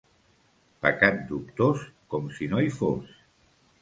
Pecat dubtós, com si no hi fos.